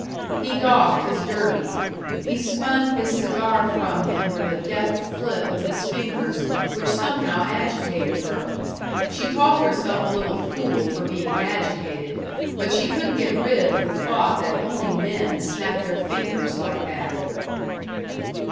He doffed his derby. He spun his cigar from him with a deft flip of his fingers which somehow agitated her. She called herself a little fool for being agitated, but she couldn't get rid of the thought that only men snapped their fingers like that.